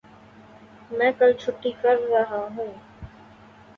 میں کل چھٹی کر ریا ہوں